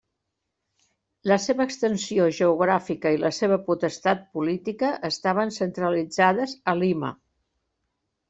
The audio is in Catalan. La seva extensió geogràfica i la seva potestat política estaven centralitzades a Lima.